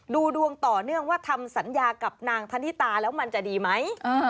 ดูดวงต่อเนื่องว่าทำสัญญากับนางธนิตาแล้วมันจะดีไหม